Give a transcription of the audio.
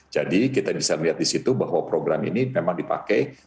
jadi kita bisa melihat di situ bahwa program ini memang dipakai